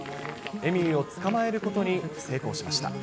エミューを捕まえることに成功しました。